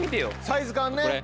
サイズ感ね。